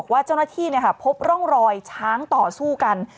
ว่าเจ้าหน้าที่พบร่องรอยช้างต่อสู้กัน